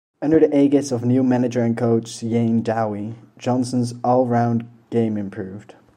Under the aegis of new manager and coach Iain Dowie, Johnson's all-round game improved.